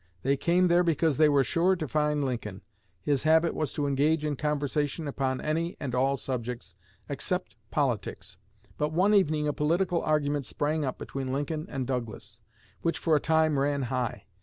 They came there because they were sure to find Lincoln. His habit was to engage in conversation upon any and all subjects except politics. But one evening a political argument sprang up between Lincoln and Douglas, which for a time ran high.